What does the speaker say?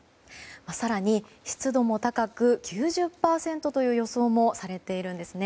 更に、湿度も高く９０％という予想もされているんですね。